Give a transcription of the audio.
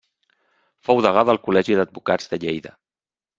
Fou degà del Col·legi d'Advocats de Lleida.